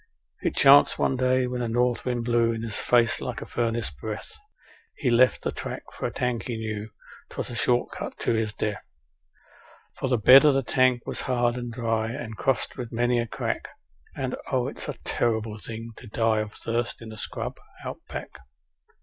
It chanced one day, when the north wind blew in his face like a furnace breath, He left the track for a tank he knew 'twas a short cut to his death; For the bed of the tank was hard and dry, and crossed with many a crack, And, oh! it's a terrible thing to die of thirst in the scrub Out Back.